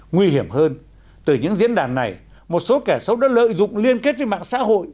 nguy hiểm hơn từ những diễn đàn này một số kẻ xấu đã lợi dụng liên kết với mạng xã hội